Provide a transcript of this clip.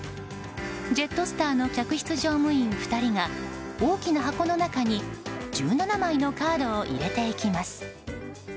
ジェットスターの客室乗務員２人が大きな箱の中に１７枚のカードを入れていきます。